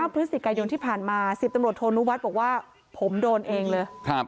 พฤศจิกายนที่ผ่านมา๑๐ตำรวจโทนุวัฒน์บอกว่าผมโดนเองเลย